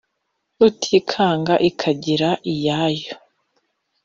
rutikanga ikagira iyayo